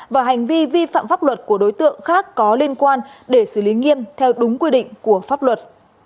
và hành vi vi phạm pháp luật của đối tượng khác có liên quan để xử lý nghiêm theo đúng quy định của pháp luật